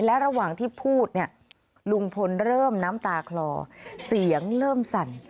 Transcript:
และระหว่างที่พูดเนี่ยลุงพลเริ่มน้ำตาคลอเสียงเริ่มสั่น